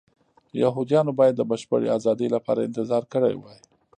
یهودیانو باید د بشپړې ازادۍ لپاره انتظار کړی وای.